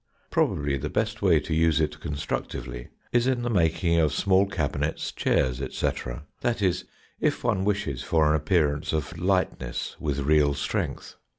Probably the best way to use it constructively is in the making of small cabinets, chairs, etc. that is, if one wishes for an appearance of lightness with real strength.